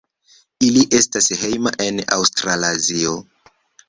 Ili estas hejma en Aŭstralazio.